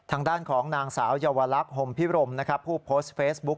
ทางด้านของนางสาวเยาวลักษณ์ห่มพิรมนะครับผู้โพสต์เฟซบุ๊ค